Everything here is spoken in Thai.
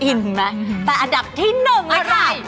อินไหมแต่อันดับที่๑เลยค่ะ